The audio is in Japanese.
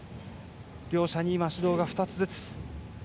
両者に指導が今、２つずつ。